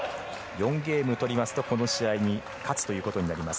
４ゲームとりますとこの試合に勝つということになります。